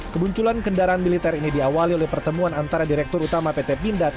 kemunculan kendaraan militer ini diawali oleh pertemuan antara direktur utama pt pindad